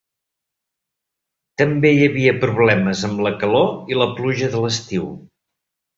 També hi havia problemes amb la calor i la pluja de l'estiu.